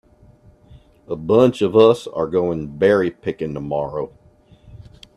A bunch of us are going berry picking tomorrow.